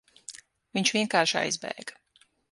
Viņš vienkārši aizbēga.